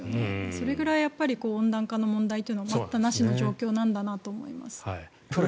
それぐらい温暖化の問題は待ったなしの状態なんだなと思います。